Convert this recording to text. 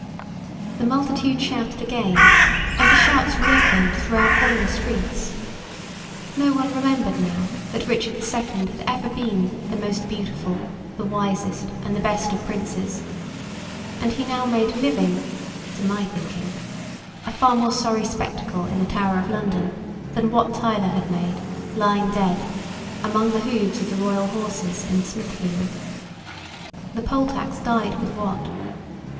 The multitude shouted again, and the shouts re echoed throughout all the streets. No one remembered, now, that Richard the Second had ever been the most beautiful, the wisest, and the best of princes; and he now made living (to my thinking) a far more sorry spectacle in the Tower of London, than Wat Tyler had made, lying dead, among the hoofs of the royal horses in Smithfield. The Poll tax died with Wat.